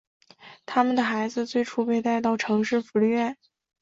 他们的孩子最初被带到城市福利院。